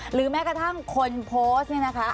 หรือแม้กระทั่งคนโพสต์เนี่ยนะคะ